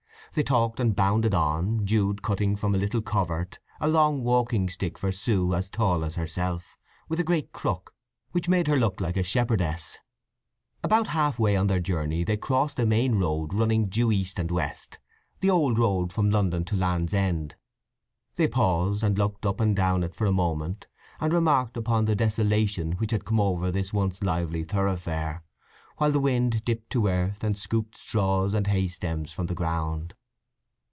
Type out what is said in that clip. They talked and bounded on, Jude cutting from a little covert a long walking stick for Sue as tall as herself, with a great crook, which made her look like a shepherdess. About half way on their journey they crossed a main road running due east and west—the old road from London to Land's End. They paused, and looked up and down it for a moment, and remarked upon the desolation which had come over this once lively thoroughfare, while the wind dipped to earth and scooped straws and hay stems from the ground.